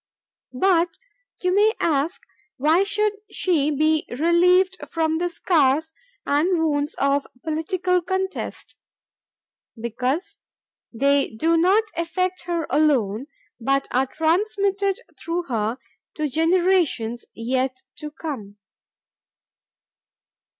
"But ... you may ask why should she be relieved from the scars and wounds of political contest? Because they do not affect her alone but are transmitted through her to generations yet to come